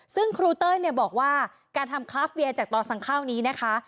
ซึ่งครูเต้ยบอกว่าการทำคลาฟเวียจากต่อสั่งข้าวนี้นะคะ